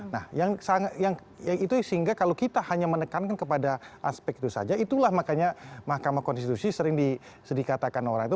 nah yang itu sehingga kalau kita hanya menekankan kepada aspek itu saja itulah makanya mahkamah konstitusi sering dikatakan orang itu